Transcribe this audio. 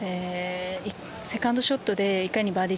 セカンドショットでいかにバーディ